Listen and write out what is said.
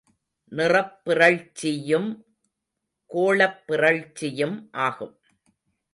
நிறப்பிறழ்ச்சியும் கோளப்பிறழ்ச்சியும் ஆகும்.